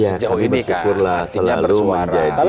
ya kami bersyukurlah selalu menjadi